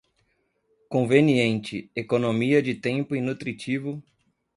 Conveniente, economia de tempo e nutritivo